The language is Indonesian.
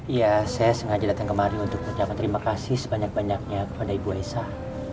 iya saya sengaja datang kemari untuk ucapkan terima kasih sebanyak banyaknya kepada ibu aisah